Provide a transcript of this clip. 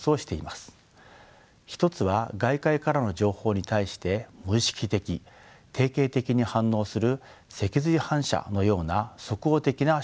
一つは外界からの情報に対して無意識的定型的に反応する脊髄反射のような即応的な思考です。